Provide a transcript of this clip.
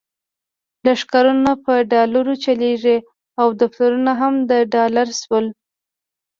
لښکرونه په ډالرو چلیږي او دفترونه هم د ډالر شول.